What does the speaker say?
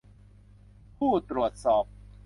ผู้ตรวจสอบ